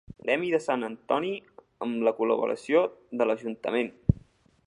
Gremi de Sant Antoni amb la col·laboració de l'Ajuntament.